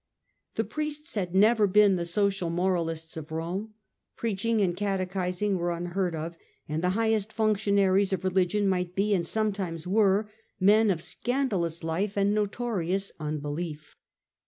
The priests had never been the social moralists of Rome ; preaching and catechizing were unheard of; and the highest function aries of religion might be and sometimes were men of scandalous life and notorious unbelief.